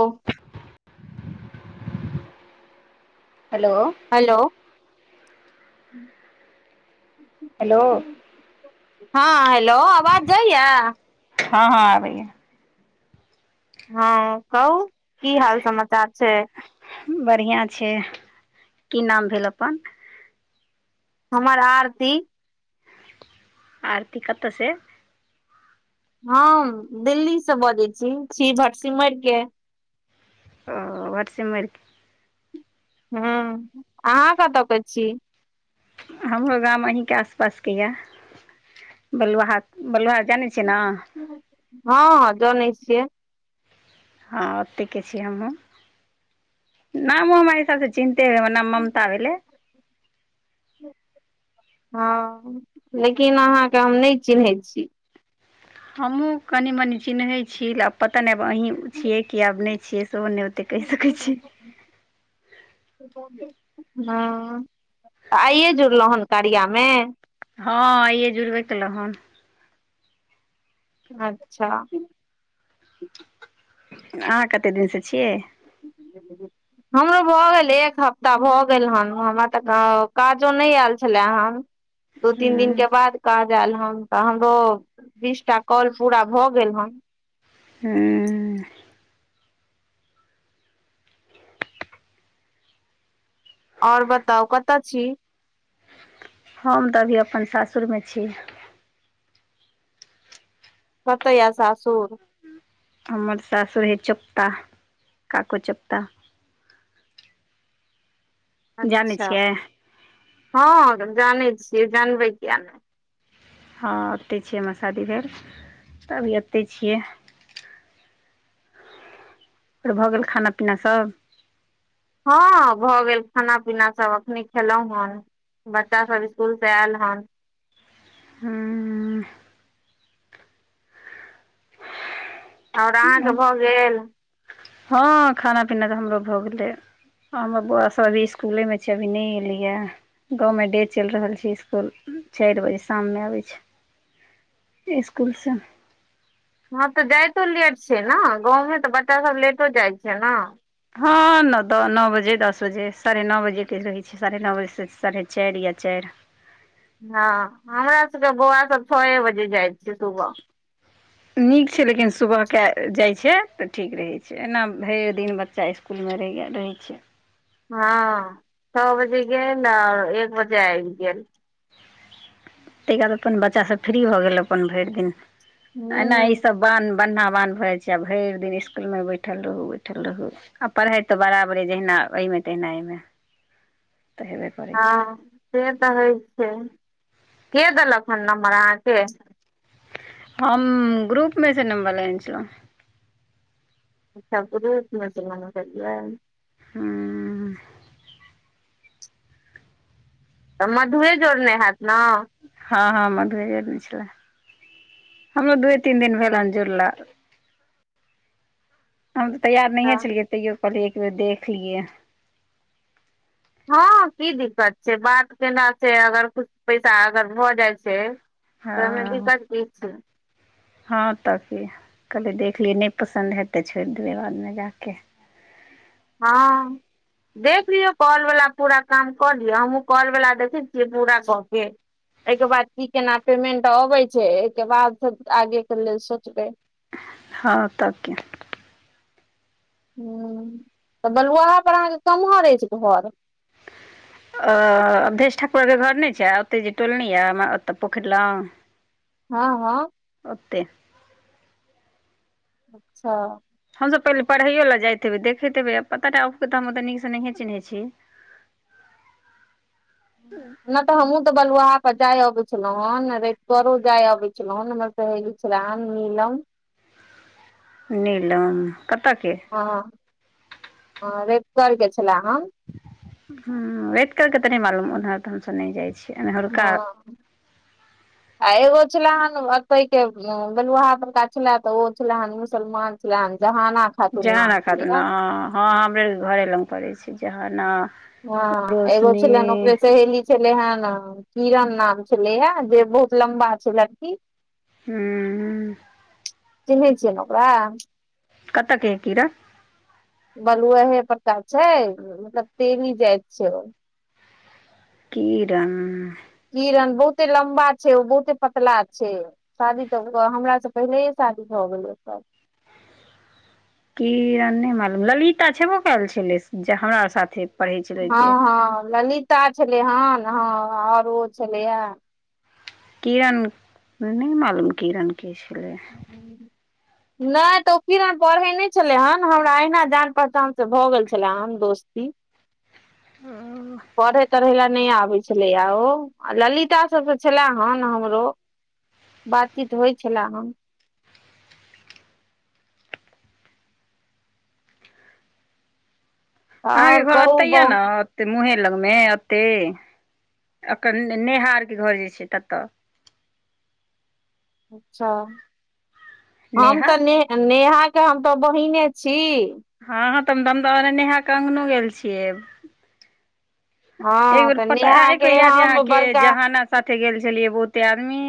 ओ hello. Hello. Hello हँ hello आवाज जाय या। हँ- हँ आबैय या। हँ कहु की हाल समाचार छै। बढ़िआँ छै की नाम भेल अपन। हमर आरती। आरती कतऽ से। हम दिल्ली स बजै छी, छी भटसिमैर के। ओ भटसिमैर के। हूं अहाँ कतऽ के छी। हमरो गाम अहींके आसपास के या। बलुआहा -बलुआहा जानै छियै ना। हँ -हँ जनै छियै। हँ ओतेके छीयै हमहुँ। नमो हमरा हिसाब से चिंहते हेबय, हमर नाम ममता भेलै। हँ लेकिन अहाँके हम नइ चिन्हैत छी। हमहूँ कनी -मनी चिन्हैत छी, आब पता नहि आब अहीं छियै कि आब नहि छियै सेहो नहि कहि सकैत छी। ओ। [inaudible] हँ तऽ आइए जुड़लहुँ हन कारिया में। हँ आइये जुड़बे केलउ हन। अच्छा! अहाँ कते दिनसँ छिये। ज [unintelligible] हमरो भऽ गेल एक हफ्ता भऽ गेल हन, हमरा तऽ काजो नहि आयल छला हन। दू -तीन दिन हूँ के बाद काज आयल हन। तऽ हमरो बीस टा कॉल पूरा भऽ गेल हन। हूँ। और बताउ कत छी? हम तऽ अभी अपन सासुरमे छी। कतय यै सासुर? हमर सासुर है चोपता काको चोप्ता। जानै अच्छा छियै हँ जानै छियै जानबै किया नहि। हँ ओतय छै हमर शादी भेल त अभी ओतहि छियै। आओर भऽ गेल खाना पीना सब। हँ भऽ गेल खाना पीना सब अखने खेलहुं हन। बच्चा सब स्कूल से ऐल हन। हूम्म। आओर अहाँके भऽ गेल? हँ खाना पीना तऽ हमरो भऽ गेलै। हमर बौआ सब अभी इसकुले में छै अभी नहि एलैये। गाँव मे डे चलि रहल छै इसकुल चारि बजे शाम मे अबै छै। इसकुल स। हँ तऽ जाइतो लेट छै न गाँवमे तऽ बच्चा सब लेटो जाइ छै ने। हँ न द नौ बजे दस बजे साढ़े नओ बजेके रहै छै साढ़े नओ बजेसे साढ़े चारि या चारि हँ हमरा सबके बौआ सब छए बजे जाइ छय सुबह। नीक छै लेकिन सुबहके जाइ छै तऽ ठीक रहै छै एना भरि दिन बच्चा इस् इसकुलमे रहै छै। हँ छओ बजे गेल आ एक बजे आबि गेल। तै के बाद अपन बच्चा सब फ्री भऽ गेल अपन भरि दिन एना ई हूँ सब बान्ह बन्हा बान्ह भ जाइ छै आब भरि दिन इसकुलमे बैठल रहू बैठल रहू आ पढ़ाइ तऽ बराबरे जहिना ओहिमे तहिना एहिमे तऽ हेबे करै छै हँ से तऽ होइ छै, के देलक हन नम्बर अहाँके? हम ग्रुपमे से नम्बर लेने छलहुँ। अच्छा ग्रुप में से नम्बर लेलियै। हूं। तऽ मधुए जोड़ने हैत न? हँ हँ मधुये जोड़ने छलै। हमरो दूए तीन दिन भेल हन जूड़ला। हम तऽ तैयार नहिये तऽ छलियै तैयो कहलियै एक बेर देख लियै। हँ की दिक्कत छै, बात केला से अगर कुछ पैसा अगर भऽ जाइ छै तऽ ओइ मे हँ दिक्कत की छै। हँ तऽ की कहलियै देखलियै नहि पसन्द हैत तऽ छोड़ि देेबै बादमे जाके। हँ देख लियौ काॅल बला पूरा काम कऽ लियौ हमहुँ काॅल बला देखै छियै पूरा कऽ के एहिके बाद की केना पेमेंट अबै छै एहिके बाद सब आगे के लेल सोचबै। हँ त कि। हूं तऽ बलुआहा पर अहाँके कम्हर अछि घर? अ अवधेश ठाकुरके घर नहि छै आ ओतय जे टोल नै य हमर ओतय पोखरि लग हँ हँ। ओते अच्छा हमसभ पहिले पढ़ैयो लए जाइत हेबै देखैत हेबै आब पता नहि अहूॅंके तऽ हम ओतेऽ नीकसँ नहिए चिन्है छी। [inaudible] नहि तऽ हमहु तऽ बलुआहा पर जाय अबै छलौ हें रतिगरो जाय अबै छलौ। सहेली छल नीलम। नीलम कतऽके हँ हँ रेतिकर के छलए हँ। ह्म्म रेतिकर के तऽ नहि मालूम, उधर तऽ हमसब नहि जाइत। हँ आ एगो छले हन अते के बेलुआहा परड़का छले तऽ ओ छले हेन मुसलमान। [unintelligible] जहाँ ना जहाना खात ने ह हँ हमरेर घरे लग करै छै जहाना। हँ एगो रोशनी छलअन ओकरे सहेली छलै हेन किरण नाम छलै ह, जे बहुत लम्बा छल लड़की। हूँ चिन्है छियै ओकरा? कत [unintelligible] क कीरा बलुहे पका छै, मतलब तेली जाइत छै। किरण किरण बहुते लम्बा छै, ओ बहुते पतला छै। शादी तऽ हमरँ पहिलए शादी भऽ गेलै सभ। किरण नहि मालूम, ललिता छेबो करल छलै हमरा साथे। पढ़ै छलै हँ जे हँ ललिता छलै हेन हँ आओर ओ छलैया। किरण नहि मालूम किरण के छलेया। नहि तऽ ओ किरन पढ़ै नहि छलै हेन, हमरा अहिना जान पहचान से भऽ गेल छलै हन दोस्ती। [inaudible] पढ़े तढ़ै ल नहि आबै। छलेया ओ ललिता सबके छले हन हमरो बातचीत होइत छल हम अहाँके के आओर घर कहू एते यए बहु ने? मुँहे लग मे एते, अन नेहहार के घर जे छै ततऽ। अच्छा हम नेहा तऽ ने नेहा के हम तऽ बहिने छी। हँ तऽ हम दमद नेहा कऽ अङ्गनो गेल छियै। एक हँ बेर तऽ पता नेहा एक बेर के याद य यहाँ हम के बड़का जहाना साथे गेल छलियै बहुते आदमी?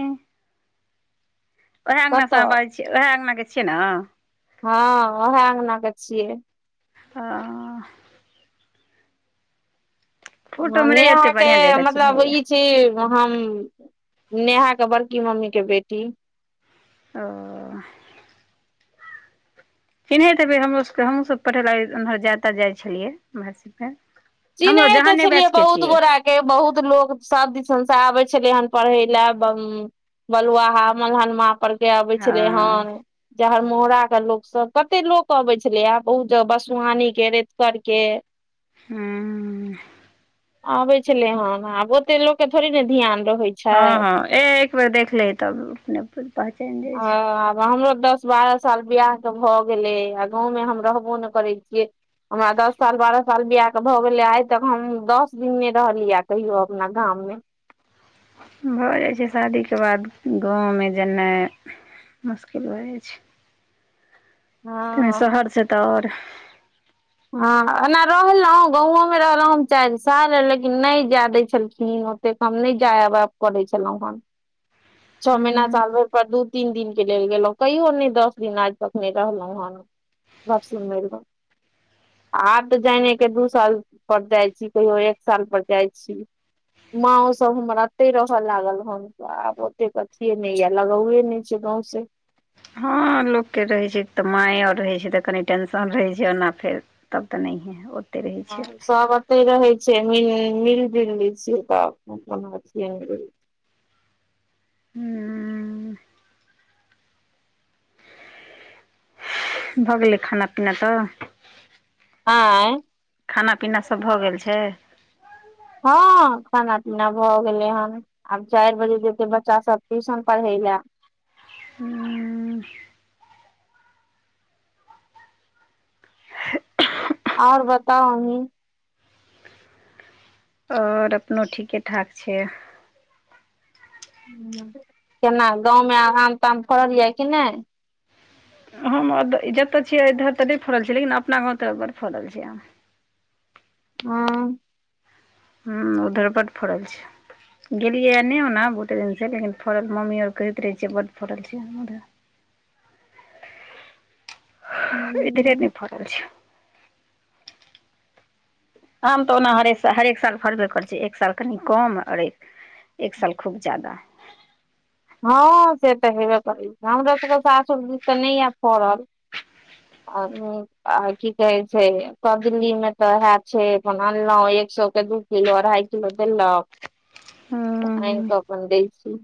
उएह अङ्गनासँ कतऽ अहाँ बाजै छीयै उएह अङ्गना के छि न? हँ ओएह अंगना के छियै। हां ह फोटोमे नहि ओते नेहा के बढ़िआँ जकाँ मतलब चिन्हैये ई छी हम नेहाक के बड़की मम्मीके बेटी ओ चिन्ह देै हमरो सबके हमूँ सब पढ़े ल उम्हर जाय जाइ छलियै मषि प। चिना ते छलियै बहुत गोरा के बहुत लोक सब दिशंसा आबै छलै हेन पढ़ै लए बलुआहा मलहन म परके अबै छलै हँ हेन। जहरमोड़ा के लोक सब कते लोक अबे छले आ बहुत जगह बसआानी के, रेतकर के ह्म्म अबै छलै हँ आब ओ त लोकके थोड़े ने ध्यान रहै छै, हँ हँ ए एक बेर देखले तब अप पहचान जाइ ह छै। हमरो दस, बारह साल बियाह त भऽ गेलै आ गाँवमे हम रहबो नहि करै छियै। हमरा दस साल बारह साल बियाह, भऽ गेले आइ तक हम दस दिन नहि रहलियै कहियो अपना गाम मे, भऽ जाइ छै शादीके बाद गाँवमे जेनाइ मुश्किल भऽ जाइ छै। त हँ शहर से तऽ आओर, हँ एना रहलहुँ गावो में रहलहुँ हम चारि साल लेकिन नहि जाय दै छलखिन ओ, हम नहि जायब करे छलहुँं हम छो महीना साल भर पर दू तीन दिन, के लेल गेलहुं कहियो नहि दस दिन आज तक नहि रहलहुं हम आब तऽ जानने के दू साल पर जाइ छी कहियो एक साल पर जाइ छी। माँ सब हमरा एते रहऽ लागल हन, कथियए न या लगा हुए नीचे गाँव से [unintelligible] हँ लोकके रहैत छै तऽ माय आओर रहैत छै तऽ कनि टेंशन रहैत छै ओना फेर, तब तऽ नहि हैओ हँ सुआगत [unintelligible] छै रहे छै मिल ज लै छियै त को [unintelligible] हू हू भऽ गेलै खाना पीना तऽ? ऐ [unintelligible] खाना पीना सब भऽ गेल छै? हँ खाना पीना भऽ गेलै हन। आब चारि बजे जेतै बच्चा सब ट्यूशन पढ़ईलए। हूँ आओर बताउ अही? आओर अपनो ठीके ठाक छै। केना गाँवमे आराम ताम करल यऽ कि नहि? हम जतऽ छियै इधर तऽ नहि फड़ल छियै लेकिन अपना गाँव तऽ बड़ड फड़ल छी, हँ ह उधरपट फड़ल छै [unintelligible] गेलियै एन्ने ओना बहुते दिनसँ लेकिन फड़ल मम्मी आओर कहैत रहै छियै बड्ड फड़ल छै, इधरे नहि फड़ल छै, आम तऽ ओना हरेसाल हरेक साल फड़बे कर छै एक साल कनि कम अरेक, एक साल खूब जादा, हँ से तऽ हेबे करै हमरा सबके सासु दिस तऽ नहि या फड़ल, आओर [unintelligible] आ की कहे छै अदली मे तऽ हए छै अपन अनलहु एक सए के दू, किलो अढ़ाइ किलो देलक तऽ आनि हूँ कऽ अपन दैलखिन,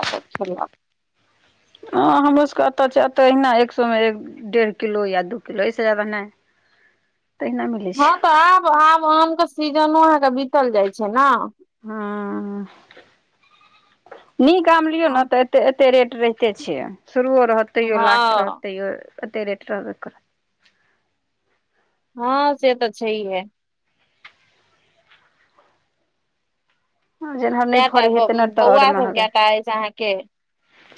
अपन खेलोन [unintelligible] हँ हमरो सबके अतए छै एना एक सए मे एक डेढ़ किलो या दू किलो इस से ज्यादा नहि, तना [unintelligible] हँ तऽ आब आब आम के सीजनो अहके बीतल जाइ छै ने, हँ नीक आम लियौ ने आब तऽ एते रेट रहिते छिय शुरुओ रहतैयो लास्ट हँ रहतैयो एते रेट रहबे करतै, हँ से तऽ छहिए। जेमहर नहि कएटा फड़ै हे ते ने तऽ बौआ आओर सब महंगा। कएटा अछि अहाँके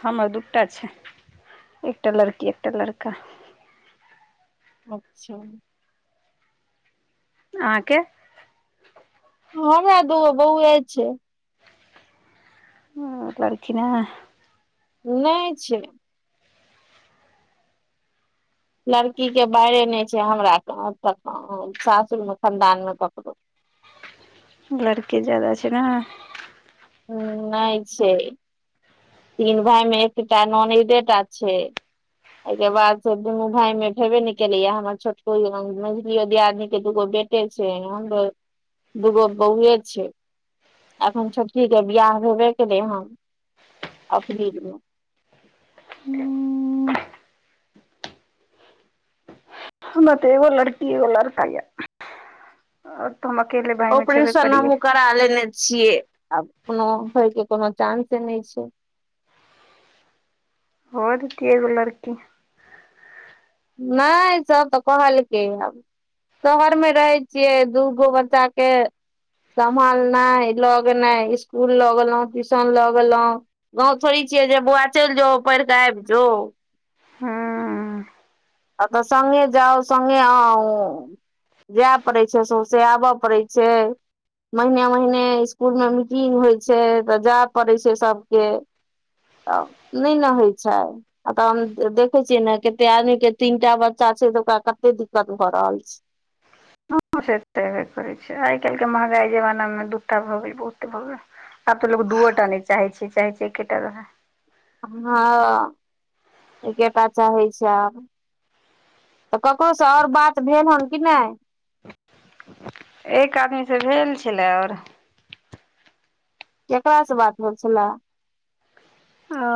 हमर दूटा छै एकटा लड़की एकटा लड़का। अच्छा। अहाँके। हँ हमरा दू गो बोए छै। [unintelligible] नई छै। लड़की के बरे नहि छै हमरा सासुर मे खानदान मे ककड़ो। लड़की जादा छै न। हू नई छै। तिन भाई मे एकटा ननदे टा छै। एहि के बाद फ दुनू भाय मे हेबे ने केले या हमर छोटकोमझोलियो दियादनी के दूगो बेटा। छै हमरे दूगो बउए छै। एखन छोटकी के बियाह भेबे केलै हन। अपृल में। हूं। हमरा तो एगो लड़की है आ एगो लड़का या। ऑपरेशन हमहु करा लेने छियै आब कोनो होय के कोनो चानंसे नहि छै। कियो ग लड़की। नहि सेह तऽ कहल कै या शहर मे रहे छियै दूगो बच्चा के। सम्भालना लगेना स्कुल लऽ गेलों ट्यूशन लऽ गेलहुं। गाँव थोड़ी छियै जे बौआ चलि जाो पढ़ कऽ आबि जाो हँ ह तऽ सगे जाउ सगे आउ। जाय पड़ै छै सौंसे आबय पड़ै छै। महिने महिने सकुल मे मीटिंग होइ छै तऽ जाय पड़े छै सबके। तब नई न होइत छै आ तऽ हम देखैत छियै ने कते आदमीके। तीनटा बच्चा छै त ओकरा कते दिक्कत भऽ रहल छै। से तेबे करै छै आइ काल्हि के महँंगाई जमाना मे दूटा भऽ गेल बहुते भऽ गेल। आब तऽ लोग दूओटा नहि चाहे छैै चाहे छै एकेटा रहै। हँ एकेटा चाहै छै आब। तऽ ककरो से आओर बात भेल हन कि नई। एक आदमीसँ भेल छलै आओर। केकरास से बात भेल छले। अ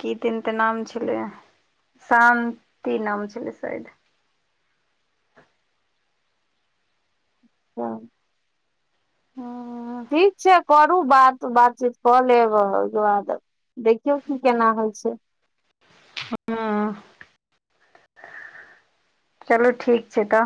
क दिन ते नाम छले शान्ति नाम छलै शायद। हँ। हँ ठीक छै। करू बात बातचीत कऽ लेब ओहिके बाद देखियौ की केना होइ छै। चलू ठीक छै तऽ।